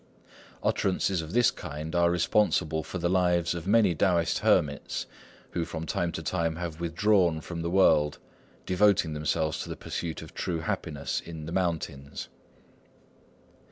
Utterances of this kind are responsible for the lives of many Taoist hermits who from time to time have withdrawn from the world, devoting themselves to the pursuit of true happiness, on the mountains.